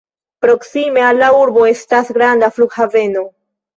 Proksime al la urbo estas granda flughaveno.